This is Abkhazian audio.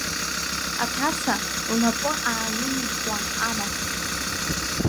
Аҭаца, лнапы аалымихуан амаҳә.